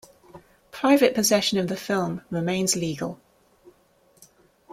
Private possession of the film remains legal.